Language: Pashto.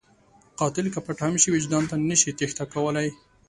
قاتل که پټ هم شي، وجدان ته نشي تېښته کولی